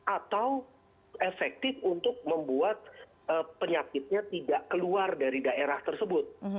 atau efektif untuk membuat penyakitnya tidak keluar dari daerah tersebut